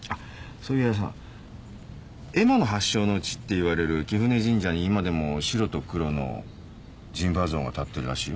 そういやさ絵馬の発祥の地っていわれる貴船神社に今でも白と黒の神馬像が立ってるらしいよ。